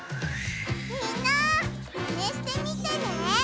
みんなマネしてみてね！